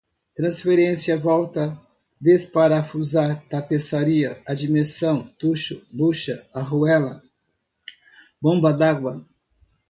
transferências, volta, desparafusar, tapeçaria, admissão, tucho, bucha, arruela, bomba d'água